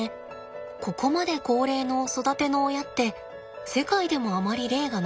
ここまで高齢の育ての親って世界でもあまり例がなかったんだって。